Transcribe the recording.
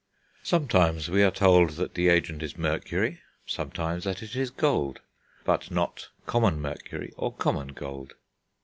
Sometimes we are told that the agent is mercury, sometimes that it is gold, but not common mercury or common gold.